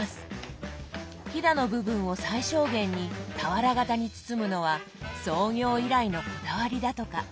ひだの部分を最小限に俵型に包むのは創業以来のこだわりだとか。